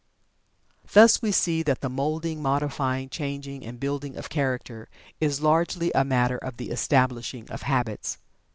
Thus we see that the moulding, modifying, changing, and building of Character is largely a matter of the establishing of Habits.